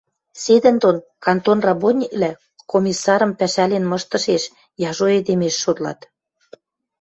Седӹндон кантон работниквлӓ Комиссарым пӓшӓлен мыштышеш, яжо эдемеш шотлат.